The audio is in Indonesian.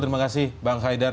terima kasih bang haidar